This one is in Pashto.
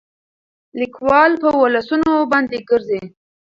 ليکوال په ولسونو باندې ګرځي